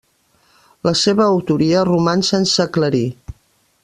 La seva autoria roman sense aclarir.